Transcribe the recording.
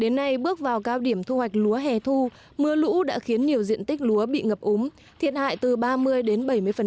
đến nay bước vào cao điểm thu hoạch lúa hẻ thu mưa lũ đã khiến nhiều diện tích lúa bị ngập úng thiệt hại từ ba mươi đến bảy mươi